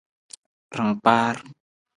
Rangkpaar.